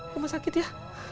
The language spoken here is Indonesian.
rumah sakit ya